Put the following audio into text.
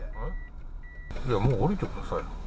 もう降りてください。